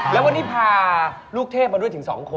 แล้ววันนี้พาลูกเทพมาด้วยถึง๒คน